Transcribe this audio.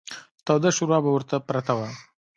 توده شوروا به ورته پرته وه.